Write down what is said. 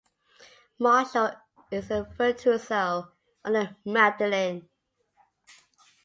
Marshall is a virtuoso on the mandolin.